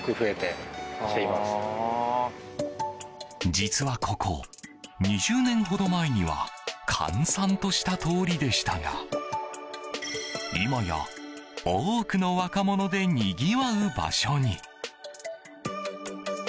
実はここ、２０年ほど前には閑散とした通りでしたが今や多くの若者でにぎわう場所に。